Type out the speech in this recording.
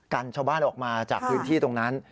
กันชาวบ้านออกมาจากพื้นที่ตรงนั้น